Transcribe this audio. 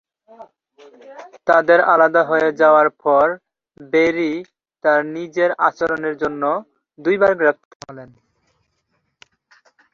তাদের আলাদা হয়ে যাওয়ার পর ব্যারি তার নিজের আচরণের জন্য দুইবার গ্রেফতার হন।